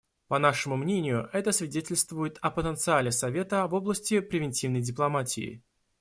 По нашему мнению, это свидетельствует о потенциале Совета в области превентивной дипломатии.